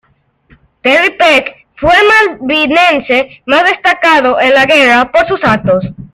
Terry Peck, fue el malvinense más destacado en la guerra por sus actos.